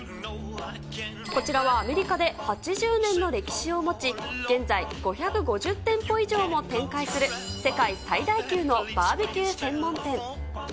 こちらはアメリカで８０年の歴史を持ち、現在、５５０店舗以上も展開する、世界最大級のバーベキュー専門店。